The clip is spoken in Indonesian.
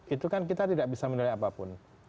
itu kan kita tidak bisa menilai apapun